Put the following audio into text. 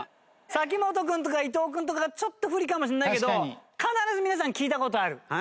嵜本君とか伊藤君とかがちょっと不利かもしれないけど必ず皆さん聴いた事ある。